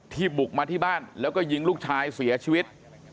บุกมาที่บ้านแล้วก็ยิงลูกชายเสียชีวิต